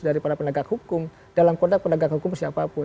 dari para pendagang hukum dalam kontak pendagang hukum siapapun